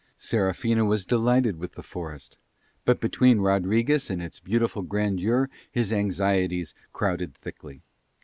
Serafina was delighted with the forest, but between Rodriguez and its beautiful grandeur his anxieties crowded thickly.